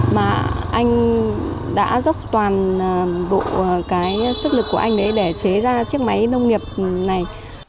mà anh đã dốc toàn bộ cái sức lực của anh ấy để chế ra chiếc máy nông nghiệp này